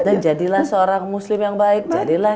dan jadilah seorang muslim yang baik jadilah